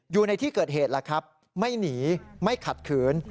อยู่ในที่เกิดเหตุแล้วครับไม่หนีไม่ขัดขืน